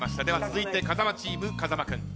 では続いて風間チーム風間君。